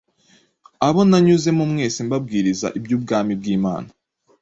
abo nanyuzemo mwese mbabwiriza iby’ubwami bw’Imana.